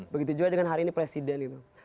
begitu juga dengan hari ini presiden itu